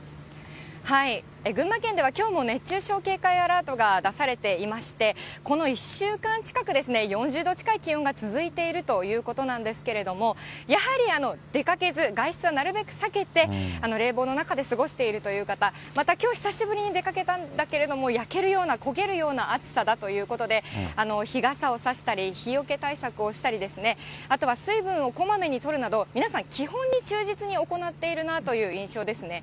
群馬県では、きょうも熱中症警戒アラートが出されていまして、この１週間近くですね、４０度近い気温が続いているということなんですけれども、やはり出かけず、外出はなるべく避けて、冷房の中で過ごしているという方、またきょう、久しぶりに出かけたんだけれども、焼けるような、焦げるような暑さだということで、日傘を差したり、日よけ対策をしたりですね、あとは水分をこまめにとるなど、皆さん、基本に忠実に行っているなという印象ですね。